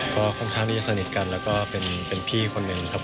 ก็ค่อนข้างที่จะสนิทกันแล้วก็เป็นพี่คนหนึ่งครับ